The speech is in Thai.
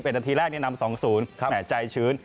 ๑๑นาทีแรกนี้นำ๒๐ในใจชื้น